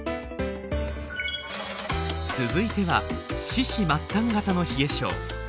続いては四肢末端型の冷え症。